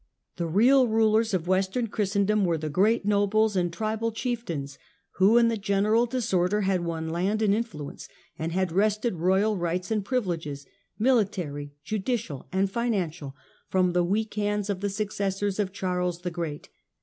The real rulers of Western Christendom were the great nobles and tribal chieftains who in the general disorder had won land and influence and had wrested royal rights and privileges — military, judicial and financial — from the weak hands of tlie successors of Charles the Great.